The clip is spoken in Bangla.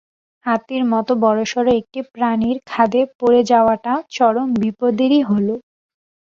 হাতির মতো বড়সড় একটি প্রাণীর খাদে পড়ে যাওয়াটা চরম বিপদেরই বটে।